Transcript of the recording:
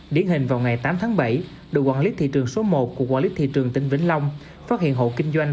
điển hình vào ngày tám tháng bảy đội quản lý thị trường số một của quản lý thị trường tỉnh vĩnh long phát hiện hộ kinh doanh